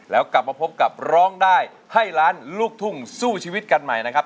แล้วกลับมาพบกับร้องได้ให้ล้านลูกทุ่งสู้ชีวิตกันใหม่นะครับ